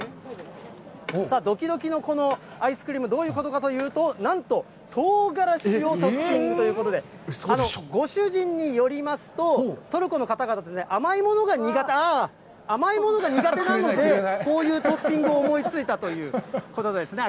さあ、どきどきのこのアイスクリーム、どういうことかというと、なんと、とうがらしをトッピングということで、ご主人によりますと、トルコの方々は甘いものが苦手、あー、甘いものが苦手なので、こういうトッピングを思いついたということですね。